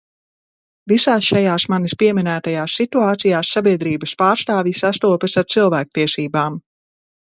Visās šajās manis pieminētajās situācijās sabiedrības pārstāvji sastopas ar cilvēktiesībām.